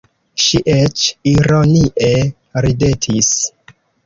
Ŝi eĉ ironie ridetis.